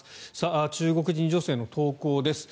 中国人女性の投稿です。